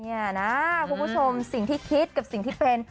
นี่นะคุณผู้ชมสิ่งที่คิดกับสิ่งที่เป็น